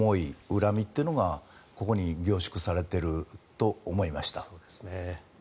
恨みっていうのがここに凝縮されていると思いました。